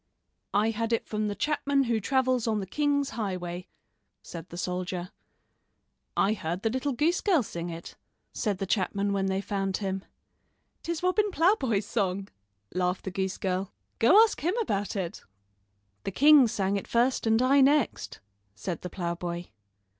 "I had it from the chapman who travels on the king's highway," said the soldier. "I heard the little goose girl sing it," said the chapman when they found him. "'Tis Robin Ploughboy's song," laughed the goose girl. "Go ask him about it." "The king sang it first and I next," said the ploughboy.